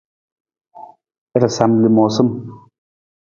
Rasam lamoosam.